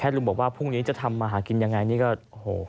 ลุงบอกว่าพรุ่งนี้จะทำมาหากินยังไงนี่ก็โอ้โห